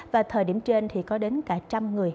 và thời điểm trên thì có đến cả trăm người